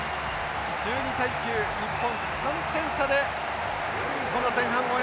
１２対９日本３点差でこの前半を終えます。